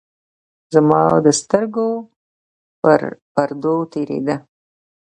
زمـا د سـترګو پـر پـردو تېـرېده.